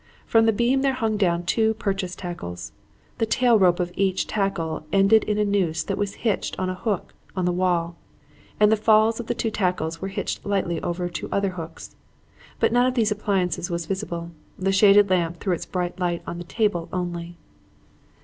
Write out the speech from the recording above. From the beam there hung down two purchase tackles. The tail rope of each tackle ended in a noose that was hitched on a hook on the wall, and the falls of the two tackles were hitched lightly over two other hooks. But none of these appliances was visible. The shaded lamp threw its bright light on the table only.